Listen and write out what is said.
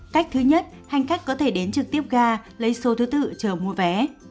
cách thứ nhất hành khách có thể đến trực tiếp ga lấy số thứ tự chờ mua vé